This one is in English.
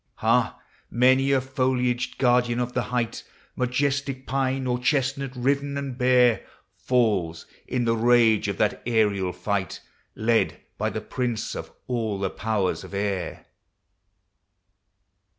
124 P0E1IX OF XATURE. Ha! many a foliaged guardian of the height, Majestic pine or chestnut, riven and bare, Falls in the rage of that aerial fight, Led by the Prince of all the Powers of air!